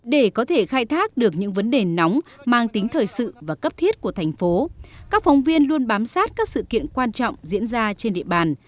để có thể khai thác được những vấn đề nóng mang tính thời sự và cấp thiết của thành phố các phóng viên luôn bám sát các sự kiện quan trọng diễn ra trên địa bàn